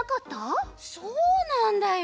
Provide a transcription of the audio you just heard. そうなんだよ。